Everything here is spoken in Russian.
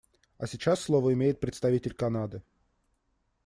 А сейчас слово имеет представитель Канады.